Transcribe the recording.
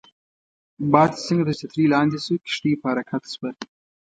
باد چې څنګه تر چترۍ لاندې شو، کښتۍ په حرکت شوه.